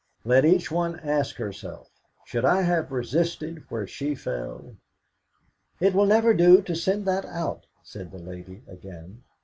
Let each one ask herself: Should I have resisted where she fell?" "It will never do to send that out," said the lady again.